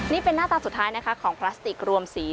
นี่เป็นหน้าตาสุดท้ายนะคะของพลาสติกรวมสี